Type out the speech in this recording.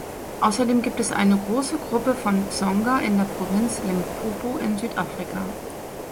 Außerdem gibt es eine große Gruppe von Tsonga in der Provinz Limpopo in Südafrika.